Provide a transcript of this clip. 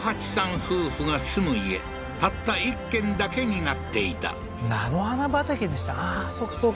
夫婦が住む家たった１軒だけになっていた菜の花畑でしたああーそうかそうか